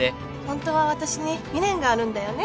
ホントは私に未練があるんだよね？